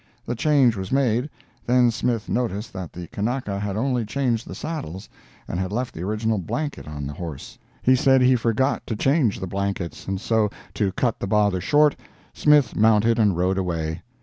The change was made; then Smith noticed that the Kanaka had only changed the saddles, and had left the original blanket on the horse; he said he forgot to change the blankets, and so, to cut the bother short, Smith mounted and rode away.